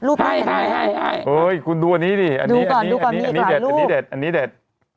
ลูกนี้ให้ให้ให้คุณดูอันนี้ดิดูก่อนดูก่อนอันนี้เด็ดอันนี้เด็ดอันนี้เด็ด